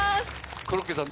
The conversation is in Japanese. コロッケさん